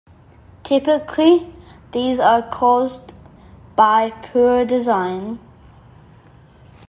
Typically these are caused by poor design.